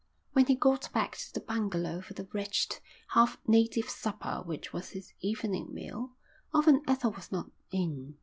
When he got back to the bungalow for the wretched, half native supper which was his evening meal, often Ethel was not in.